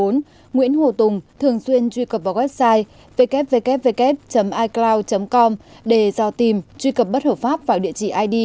nguyễn hồ tùng thường xuyên truy cập vào website ww icloud com để do tìm truy cập bất hợp pháp vào địa chỉ id